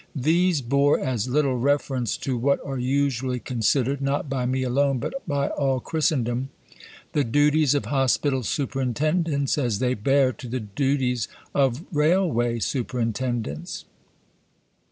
These bore as little reference to what are usually considered (not by me alone, but by all Christendom) the duties of hospital superintendents as they bear to the duties of railway superintendents.